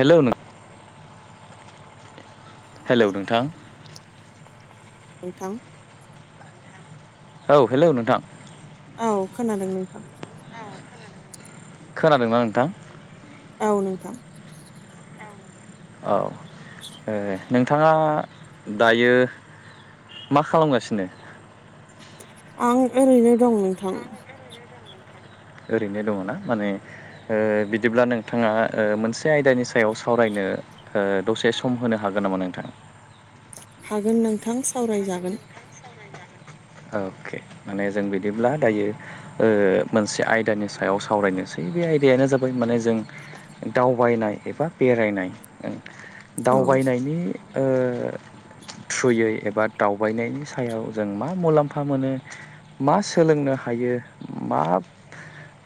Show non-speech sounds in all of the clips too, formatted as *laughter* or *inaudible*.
हेल' नोंथां हेलौ नोंथां नोंथां औ हेलौ नोंथां औ खोनादों नोंथां खोनादोंमोन नोंथां औ नोंथां औ ए नोंथाङा दायो मा खालामगासिनो आं ओरैनो दं नोंथां ओरैनो दङ ना माने ओ बिदिब्ला नोंथाङा मोनसे आयदानि सायाव सावरायनो ओ ओ दसे सम होनो हागोन नामा नोंथां? हागोन नोंथां सावराय जागोन अके माने जों बिदिब्ला दायो ओ मोनसे आयदानि सायाव सावरायनोसै बे आयदायानो जाबाय माने जों दावबायनाय एबा बेरायनाय औ दावबायनायनि ओ थ्रुयै एबा दावबायनायनि सायाव जों मा मा मुलामफा मोनो मा सोलोंनो हायो मा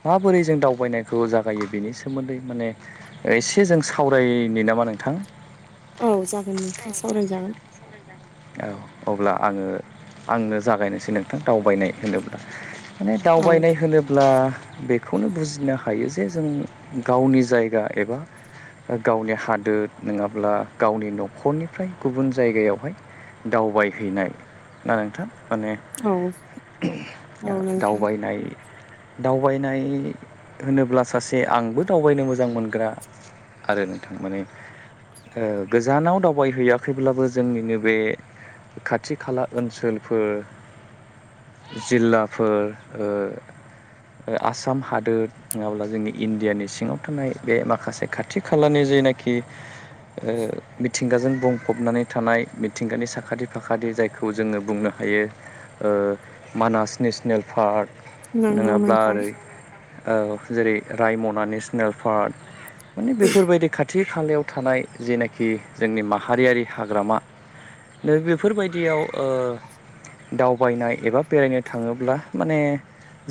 माबोरै जों दावबायनायखौ जागायो बेनि सोमोनदै माने एसे जों सावरायनो नामा नोंथां? औ जागोन नोंथां सावरायजागोन औ अब्ला आङो आंनो जागायनोसै नोंथां दावबायनाय होनोब्ला माने औ दावबायनाय होनोब्ला बेखौनो बुजिनो हायो जे जों गावनि जायगा एबा गावनि हादोर नङाब्ला गावनि न'खरनिफ्राय गुबुन जायगायावहाय दावबायहैनाय ना नोंथां माने औ औ नोंथां दावबायनाय दावबायनाय होनोब्ला सासे आंबो दावबायनो मोजां मोनग्रा आरो नोंथां माने ओ गोजानाव दावबायहैयाखैब्लाबो जोंनिनो बे खाथि खाला ओनसोलफोर जिललाफोर ओ आसाम हादोर नङाब्ला जोंनि इण्डियानि सिङाव थानाय बे माखासे खाथि खालानि जा जायनाखि ओ मिथिंगाजों बुंफबनानै थानाय मिथिंगानि साखाथि फाखाथि जायखौ जोङो बुंनो हायो ओ मानास नेसनेल पार्क नंगौ नङाब्ला नोंथां ओरै ओ एरै रायमना नेसनेल पार्क माने बेफोरबायदि खाथि थि खालायाव थानाय जेनाखि जोंनि माहारियारि हाग्रामा बेफोर बायदियाव ओ दावबायनाय एबा बेरायनो थाङोब्ला माने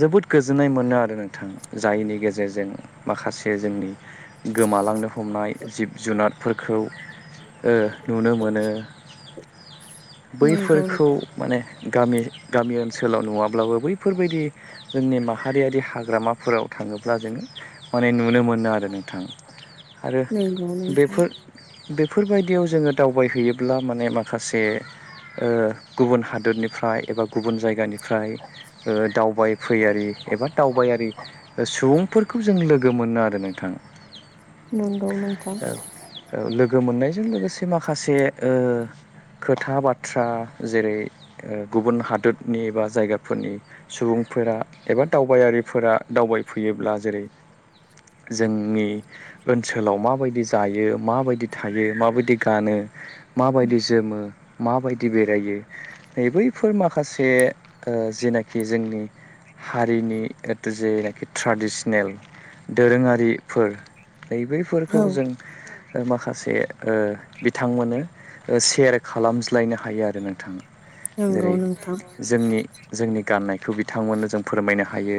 जोबोद गोजोननाय मोनो आरो नोंथां जायनि गेजेरजों माखासे जोंनि गोमा लांनो हमनाय जिब जुनारफोरखौ ओ नुनो मोनो नंगौ बैफोरखौ माने गामि गामि ओनसोलाव नङाब्लाबो बैफोरबायदि जोंनि माहारियारि हाग्रामाफोराव थ' थाङोब्ला जोङो माने नुनो मोनो आरो नोंथां आरो नंगौ नोंथां बेफोर बेफोरबायदियाव जोङो दावबायहैयोब्ला ब्ला माने माखासे ओ गुबुन हादोरनिफ्राय एबा गुबुन जायगानिफ्राय ओ दावबायफैयारि एबा दावबायारि सुबुंफोरखौ जों लोगो मोनो आरो नोंथां नंगौ नोंथां गो मोननायजों लोगोसे माखासे ओ खोथा बाथ्रा जेरै गुबुन हादोरनि बा जायगाफोरनि सुबुं फोरा एबा दावबायारिफोरा दावबाय फैयोब्ला जेरै जोंनि ओनसोलाव माबायदि जायो माबायदि थायो माबायदि गानो माबायदि जोमो माबायदि बेरायो नै बैफोर माखासे ओ जेनाखि जोंनि हारिनि जेनाखि ट्रेडिसनेल दोरोङारिफोर नै बैफोरखौ औ जों माखासे ओ बिथांमोनो सेयार खालामज्लायनो हायो आरो नोंथाङा नंगौ जेरै नोंथां जोंनि जोंनि गाननाय बे खौ बिथांमोननो जों फोरमायनो हायो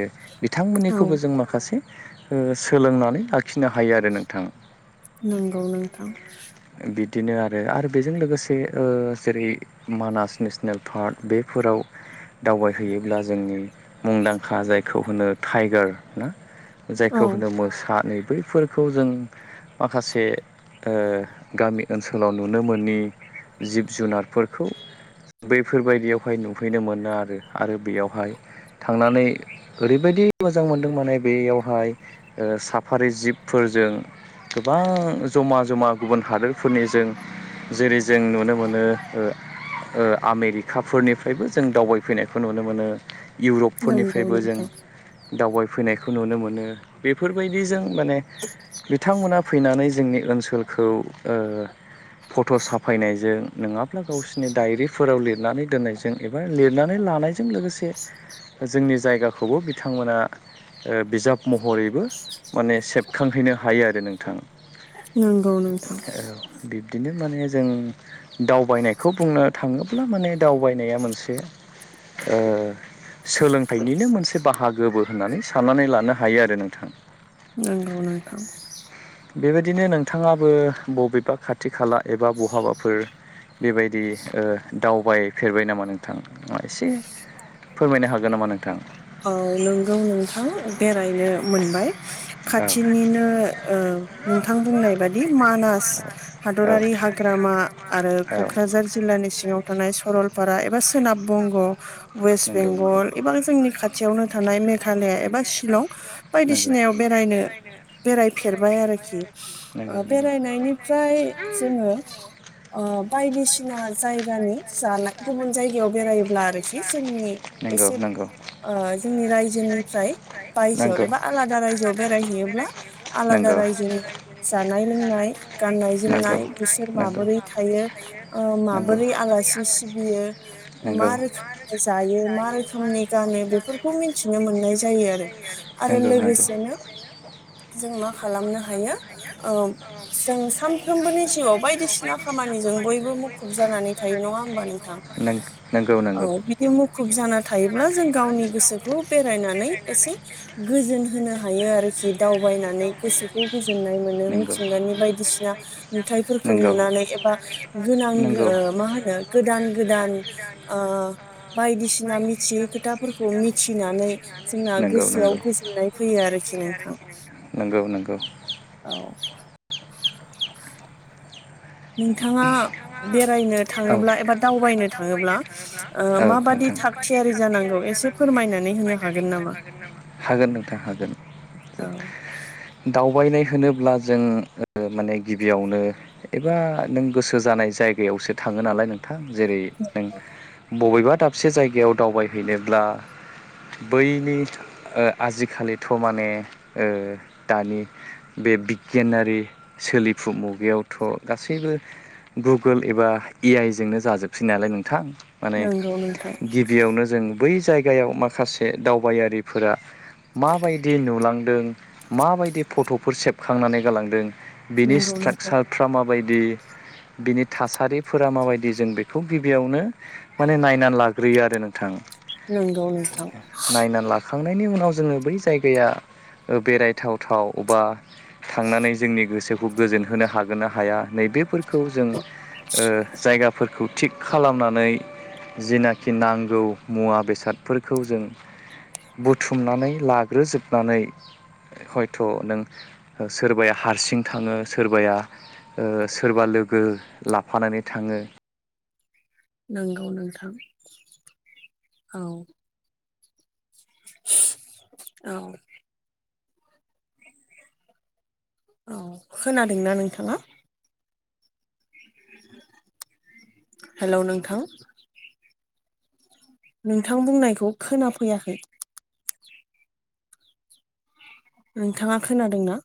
औ बिथांमोननिखौबो जों माखासे ओ सोलोंनानै आखिनो हायो आरो नोंथां नंगौ नोंथां बिदिनो आरो आरो बेजों लोगोसे ओ जेरै मानास नेसनेल पार्क बेफोराव दावबायहैयोब्ला जोंनि मुंदांखा जायखौ होनो टाइगार ना औ जायखौ होनो मोसा नै बै फोरफोरखौ जों माखासे ओ गामि ओनसोलाव नु नो मोननि जिब जुनारफोरखौ बैफोर बायदियावहाय नुफैनो मोनो आरो आरो बेयावहाय थांनानै ओरैबायदि मोजां मोनदों माने बेयावहाय ओ साफारि जिबफोर जों गोबां जमा जमा गुबुन हादोरफोरनि जों जेरै जों नुनो मोनो ओ ओ आमेरिकाफोरनिफ्रायबो जों दावबायफैनायखौ नुनो मोनो नंगौ इउरपफोरनिफ्रायबो जों नोंथां दावबाय फैनायखौ नुनो मोनो बेफोरबायदिजों माने बिथांमोना फैनानै जोंनि ओनसोलखौ ओ फट' साफायनायजों नङाब्ला गावसोरनि दायरि फोराव लिरनानै दोननायजों एबा लिरनानै लानायजों लोगोसे जोंनि जायगाखौबो बिथांमोना ओ बिजाब महरैबो माने सेबखांहैनो हायो आरो नोंथां नंगौ नोंथां औ बिब्दिनो माने जों दावबायनायखौ बुंनो थाङोब्ला माने दावबायनाया मोनसे ओ सोलोंथाइनिनो मोनसे बाहागोबो होननानै साननानै लानो हायो आरो नोंथां नंगौ नोंथां बेबायदिनो नोंथाङाबो बबेबा खाथि खाला एबा बहाबाफोर बेबायदि ओ दावबाय फेरबाय नामा नोंथां एसे फोरमायनो हागोन नामा नों औ नोंगौ नोंथां बेरायनो मोनबाय भुटान खाथिनिनो ओ नोंथां बुंनाय बादि मानास हादरारि हाग्रामा आरो क'क्राझार जिल्लानि सिङाव थानाय सरल फारा एबा सोनाब बंग' वेस्ट बेंगल एबा जोंनि खाथि यावनो थानाय मेघालया एबा शिलं बायदिसिनायाव बेरायनो बेरायफेरबाय आरोखि आरोखि बेरायनायनिफ्राय जोङो ओ बायदिसिना जायगानि जानाय गुबुन जायगायाव बेरायोब्ला आरोखि जों नंगौ नंगौ ओ जोंनि रायजोनिफ्राय बायजोआव नंगौ एबा आलादा रायजोआव बेरायहैयोब्ला आलादा नंगौ रायजोनि जानाय लोंनाय गाननाय नंगौ जोमनाय बिसोर नंगौ माबोरै थायो ओ नंगौ माबोरै आलासि सिबियो ओ मा रोखोमै जा यो मा रोखोमनि गानो बेफोरखौ मिथिनो मोननाय जायो आरो आरो लोगोसेनो बिनो जों मा खालामनो हायो ओ जों सानफ्रोमबोनि जिउआव बायदिसिना खामानि जों बयबो मुखुब जानानै थायो नङा होमबा नोंथां नङा होमबा औ नोंथां नंगौ बिदि मुखुब जाना थायो गोसोखौ बेरायनानै एसे गोजोन होनो हायो आरोखि दावबायनानै गोसोखौ गोजोननाय मोनो मिथिंगानि बायदिसिना नुथायफोरखौ नुनानै ए बा गोनां गोदान ओ गो मा होनो गोदान गोदान बायदिसिना मिथियै खोथाफोरखौ मिथिनानै जोंना नंगौ गोसोआव नंगौ गोजोननाय फैयो आरोखि नोंथां नोंथां नंगौ नंगौ औ *inaudible* नोंथाङा बेरायनो औ थाङोब्ला एबा दावबायनो थाङोब्ला माबादि थाग थियारि जानांगौ एसे फोरमायनानै होनो हागोन नामा हागोन नोंथां हागोन औ दावबायनाय होनोब्ला जों माने गिबियावनो एबा नों गोसो जानाय जायगायावसो थाङो नालाय नोंथां जेरै नों बबेबा दाबसे जायगायाव दावबायहैनोब्ला बैनि आजिखालिथ' माने दानि बे बिगियानारि सोलिफु मुगायावथ' गासैबो गुगोल एबा ए आइ जोंनो जाजोबसै नालाय नोंथां माने नंगौ नोंथां गिबियावनो जों बै जायगायाव माखासे दावबायारिफोरा माबायदि नुलांदों माबायदि फट'फोर सेबखांनानै गालांदों बिनि नंगौ नोंथां स्ट्राकचारफ्रा माबायदि *inaudible* बिनि थासारिफोरा माबायदि जों बेखौ गिबियावनो माने नायनानै लाग्रोयो आरो नों नंगौ नोंथां नायनानै लाखांनायनि उनाव जोङो बै जायगाया बेरायथाव थाव बा थांनानै जोंनि गोसो खौ गोजोन होनो हागोन ना हाया नैबेफोरखौ जों जायगा खौ थिग खालामनानै जिनाखि नांगौ मुवा बेसादफोरखौ जों बुथुमनानै लाग्रोजोबनानै हयथ' नों सोरबाया हारसिं थाङो सोरबाया सोरबा लोगो लाफानानै थाङो नंगौ नोंथां औ औ औ खोनादोंना नोंथाङा हेल' नोंथां नोंथां बुंनायखौ खोना फैयाखै नोंथाङा खोनादोंना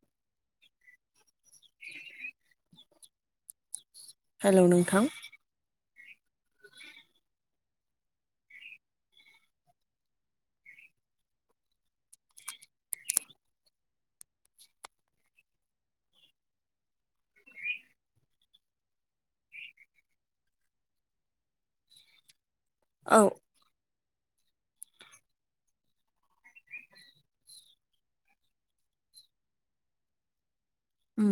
हेल' नोंथां औ उ